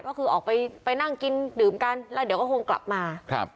ก็คือออกไปไปนั่งกินดื่มกันแล้วเดี๋ยวก็คงกลับมาครับ